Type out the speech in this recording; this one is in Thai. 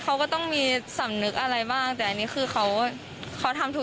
เขาก็ต้องมีสำนึกอะไรบ้างแต่อันนี้คือเขาเขาทำทุก